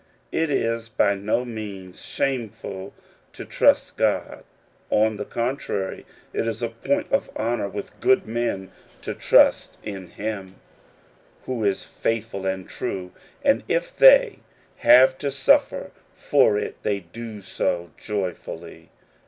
It is by no means shameful to trust God : on the contrary it is a point of honor with good men to trust in Him who is faithful and true ; and if they have to suffer for it they do so joyfully.